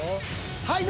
はい！